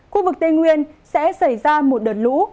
khu vực tây nguyên sẽ xảy ra một đợt lũ